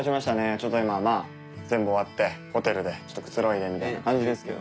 ちょっと今全部終わってホテルでちょっとくつろいでみたいな感じですけど。